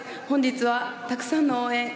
本日はたくさんの応援